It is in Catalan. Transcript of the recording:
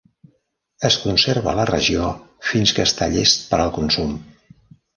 Es conserva a la regió fins que està llest per al consum.